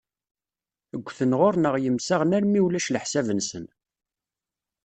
Ggten ɣur-neɣ yemsaɣen armi ulac leḥsab-nsen.